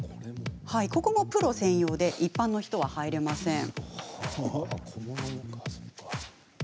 ここもプロ専用で一般の人は入れません。